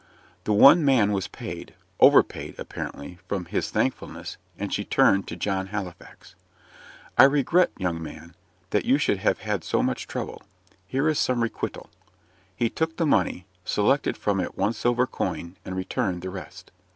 The one man was paid over paid, apparently, from his thankfulness and she turned to John Halifax. "I regret, young man, that you should have had so much trouble. Here is some requital." He took the money, selected from it one silver coin, and returned the rest.